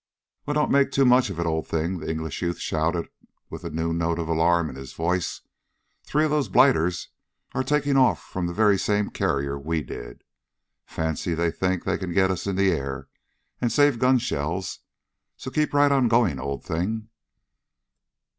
"Well, don't make too much of it, old thing!" the English youth shouted with a new note of alarm in his voice. "Three of the blighters are taking off from the very same carrier we did. Fancy they think they can get us in the air, and save gun shells. So keep right on going, old thing!"